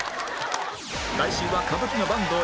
来週は歌舞伎の坂東